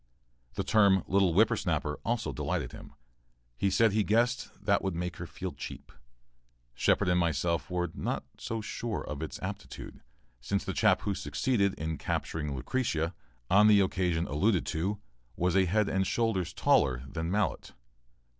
The term "little whipper snapper" also delighted him. He said he guessed that would make her feel cheap. Shepard and myself were not quite so sure of its aptitude, since the chap who succeeded in capturing Lucretia, on the occasion alluded to, was a head and shoulders taller than Mallett.